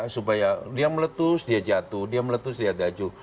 supaya dia meletus dia jatuh